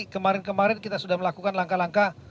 kemarin kemarin kita sudah melakukan langkah langkah